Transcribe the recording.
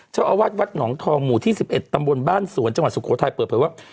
เจ้าอาวาสวัดหนองทองหมู่ที่๑๑ตำบลบ้านสวนจังหวัดสุโขทัยเปิดเผยว่า